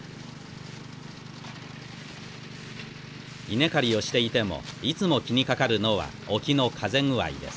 稲刈りをしていてもいつも気にかかるのは沖の風具合です。